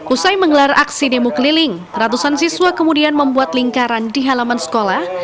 usai menggelar aksi demo keliling ratusan siswa kemudian membuat lingkaran di halaman sekolah